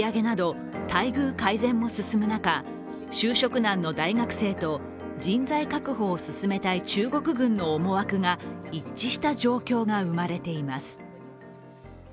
給与の引き上げなど、待遇改善も進む中、就職難の大学生と、人材確保を進めたい中国軍の思惑が一致した状況が生まれています。